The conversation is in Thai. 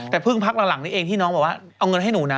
แต่เพิ่งพักหลังนี้เองที่น้องบอกว่าเอาเงินให้หนูนะ